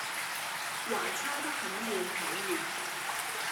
還差得很遠很遠。